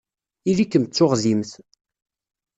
Ili-kem d tuɣdimt.